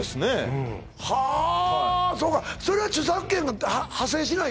うんはあそうかそれは著作権が発生しないの？